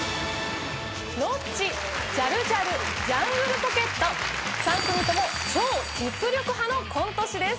ロッチジャルジャルジャングルポケット３組とも超実力派のコント師です